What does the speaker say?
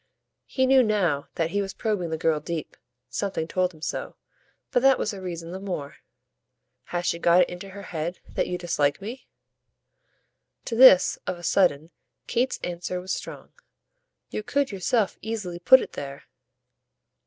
He knew now that he was probing the girl deep something told him so; but that was a reason the more. "Has she got it into her head that you dislike me?" To this, of a sudden, Kate's answer was strong. "You could yourself easily put it there!"